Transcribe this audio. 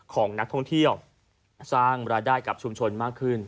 ของนักท่องเที่ยวสร้างรายได้กับชุมชนมากขึ้น